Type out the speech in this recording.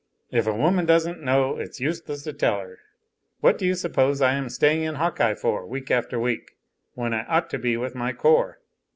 "If a woman doesn't know, it's useless to tell her. What do you suppose I am staying in Hawkeye for, week after week, when I ought to be with my corps?"